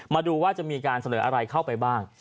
มาดูว่าจะมีการเสนออะไรเข้าไปบ้าง